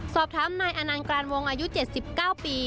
สอบถามนายอนันต์กรานวงอายุ๗๙ปี